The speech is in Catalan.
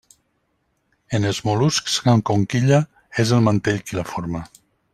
En els mol·luscs amb conquilla és el mantell qui la forma.